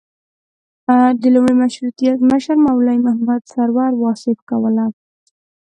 د لومړي مشروطیت مشري مولوي محمد سرور واصف کوله.